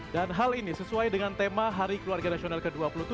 dan hal ini sesuai dengan tema hari keluarga nasional ke dua puluh tujuh